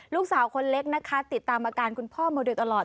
ลูกสาวคนเล็กนะคะติดตามอาการคุณพ่อมาโดยตลอด